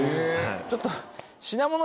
ちょっと。